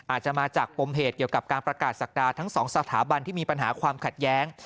อาจจะมาจากปมเหตุเกี่ยวกับการประกาศศักดาทั้งสองสถาบันที่มีปัญหาความขัดแย้ง